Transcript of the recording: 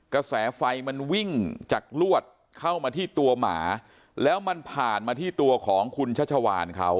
กระแสไฟมันวิ่งจากลวดเข้ามาที่ตัวหมาแล้วมันผ่านมาที่ตัวของคุณชัชวานเขา